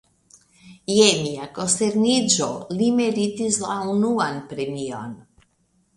Je mia konsterniĝo, li meritis la unuan premion!